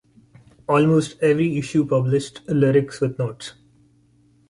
Almost every issue published lyrics with notes.